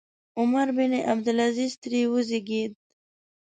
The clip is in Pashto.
عمر بن عبدالعزیز ترې وزېږېد.